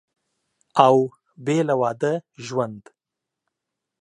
او بېله واده ژوند